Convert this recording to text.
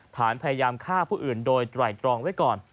พยายามฆ่าผู้อื่นโดยไตรตรองไว้ก่อน